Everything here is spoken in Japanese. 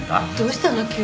どうしたの？